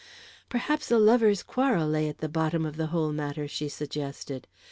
"Perhaps a lover's quarrel lay at the bottom of the whole matter," she suggested.